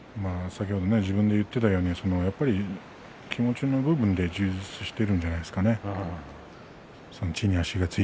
先ほども自分で言っていたように気持ちの部分で充実しているんじゃないですかね